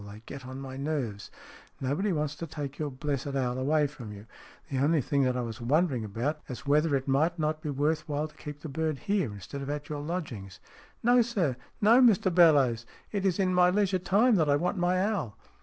They get on my nerves. Nobody wants to take your blessed owl away from you. The only thing that I was wondering about was whether it might not be worth while to keep the bird here, instead of at your lodgings." " No, sir ! No, Mr Bellowes ! It is in my leisure time that I want my owl."